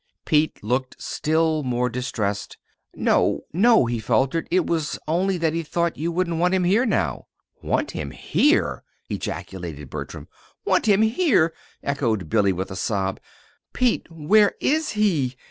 Pete looked still more distressed "No, no!" he faltered. "It was only that he thought you wouldn't want him here now." "Want him here!" ejaculated Bertram. "Want him here!" echoed Billy, with a sob. "Pete, where is he?"